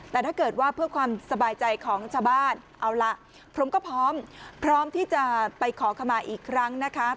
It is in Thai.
แต่ถ้าเกิดว่าเพื่อความสบายใจของชาวบ้านเอาล่ะผมก็พร้อมพร้อมที่จะไปขอขมาอีกครั้งนะคะ